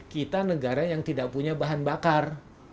kita negara yang tidak punya bahan bakar